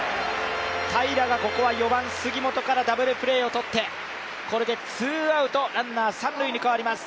平良がここは４番・杉本からダブルプレーを取ってこれでツーアウトランナー、三塁に変わります。